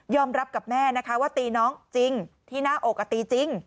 รับกับแม่นะคะว่าตีน้องจริงที่หน้าอกตีจริง